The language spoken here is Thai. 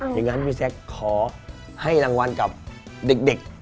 อย่างนั้นพี่แจ๊คขอให้รางวัลกับเด็ก